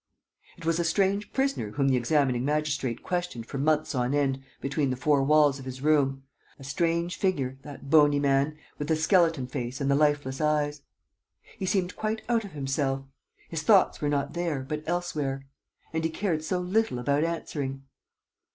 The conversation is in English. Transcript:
... It was a strange prisoner whom the examining magistrate questioned for months on end between the four walls of his room, a strange figure, that bony man, with the skeleton face and the lifeless eyes! He seemed quite out of himself. His thoughts were not there, but elsewhere. And he cared so little about answering!